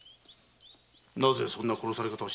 なぜそんな殺され方を？